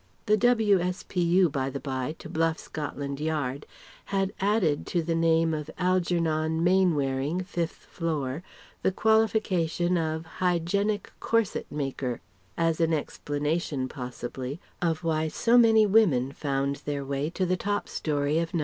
(The W.S.P.U., by the bye, to bluff Scotland Yard had added to the name of "Algernon Mainwaring, 5th Floor," the qualification of "Hygienic Corset maker," as an explanation possibly of why so many women found their way to the top storey of No.